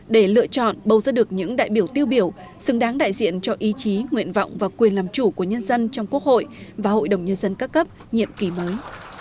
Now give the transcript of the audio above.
để lựa chọn bầu ra được những đại biểu tiêu biểu xứng đáng đại diện cho ý chí nguyện vọng và quyền làm chủ của nhân dân trong quốc hội và hội đồng nhân dân các cấp nhiệm kỳ mới